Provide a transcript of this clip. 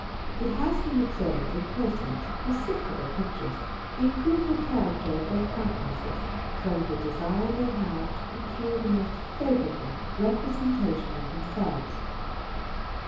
It has been observed that persons who sit for their pictures improve the character of their countenances, from the desire they have to procure the most favourable representation of them On the Look of a Gentleman. 303 selves.